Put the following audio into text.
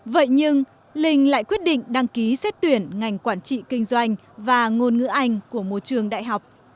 vậy nhưng linh lại quyết định đăng ký xếp tuyển ngành quản trị kinh doanh và ngôn ngữ ảnh của môi trường đại học